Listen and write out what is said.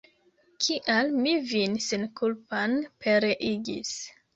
Kial mi vin senkulpan pereigis!